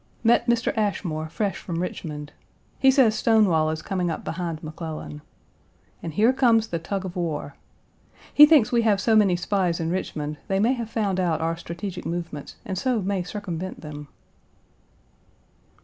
Met Mr. Ashmore fresh from Richmond. He says Stonewall is coming up behind McClellan. And here comes the tug of war. He thinks we have so many spies in Richmond, they may have found out our strategic movements and so may circumvent them.